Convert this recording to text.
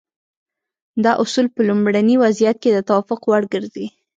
دا اصول په لومړني وضعیت کې د توافق وړ ګرځي.